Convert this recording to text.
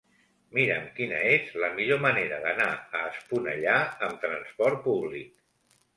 Mira'm quina és la millor manera d'anar a Esponellà amb trasport públic.